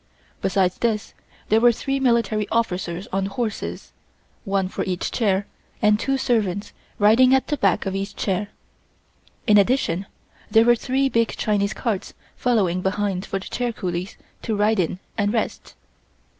Besides this there were three military officers on horses, one for each chair and two servants riding at the back of each chair. In addition there were three big Chinese carts following behind for the chair coolies to ride in and rest.